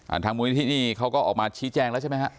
ทางมูลนิธินี่เขาก็ออกมาชี้แจงแล้วใช่ไหมฮะ